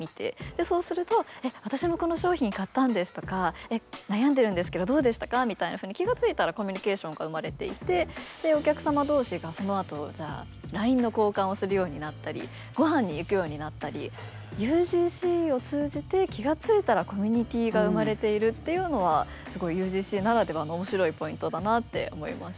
そうすると「私もこの商品買ったんです」とか「悩んでるんですけどどうでしたか」みたいなふうに気が付いたらコミュニケーションが生まれていてでお客様同士がそのあとＬＩＮＥの交換をするようになったりごはんに行くようになったりっていうのはすごいＵＧＣならではの面白いポイントだなって思いました。